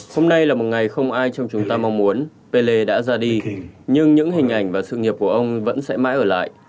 hôm nay là một ngày không ai trong chúng ta mong muốn pelle đã ra đi nhưng những hình ảnh và sự nghiệp của ông vẫn sẽ mãi ở lại